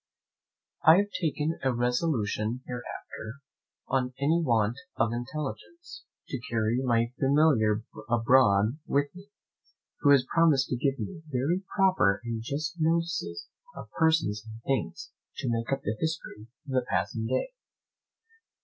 I have taken a resolution hereafter, on any want of intelligence, to carry my Familiar abroad with me, who has promised to give me very proper and just notices of persons and things, to make up the history of the passing day.